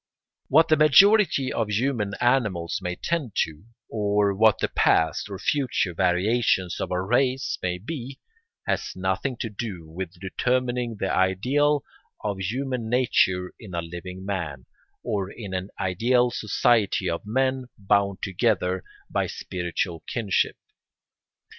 What the majority of human animals may tend to, or what the past or future variations of a race may be, has nothing to do with determining the ideal of human nature in a living man, or in an ideal society of men bound together by spiritual kinship.